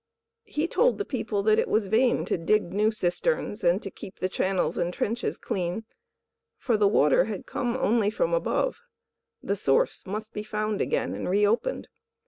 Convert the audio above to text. He told the people that it was vain to dig new cisterns and to keep the channels and trenches clean; for the water had come only from above. The Source must be found again and reopened.